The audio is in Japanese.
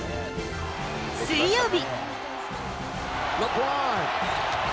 水曜日。